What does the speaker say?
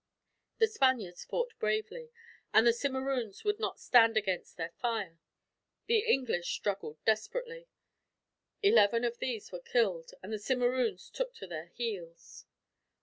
The Spaniards fought bravely, and the Simeroons would not stand against their fire. The English struggled desperately. Eleven of these were killed, and the Simeroons took to their heels.